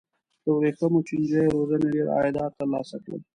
د ورېښمو چینجیو روزنې ډېر عایدات ترلاسه کړل.